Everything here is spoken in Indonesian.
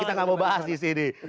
kita gak mau bahas disini